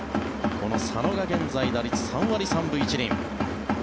この佐野が現在、打率３割３分１厘。